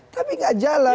tapi tidak jalan